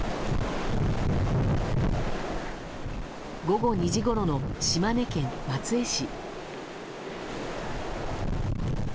午後２時ごろの島根県松江市。